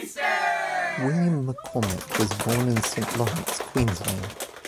William McCormack was born in Saint Lawrence, Queensland.